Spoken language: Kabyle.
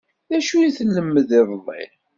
D acu i telmd iḍelli?